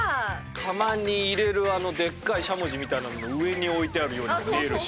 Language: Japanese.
窯に入れるあのでっかいしゃもじみたいなのの上に置いてあるようにも見えるし。